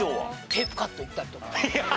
テープカット行ったりとか。